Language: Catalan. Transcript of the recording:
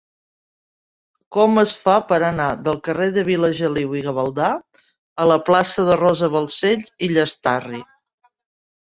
Com es fa per anar del carrer de Vilageliu i Gavaldà a la plaça de Rosa Balcells i Llastarry?